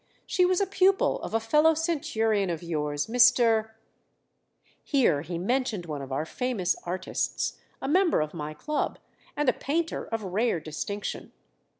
She was a pupil of a fellow Centurion of yours, Mr. ." Here he mentioned one of our famous artists, a member of my club, and a painter of rare distinction.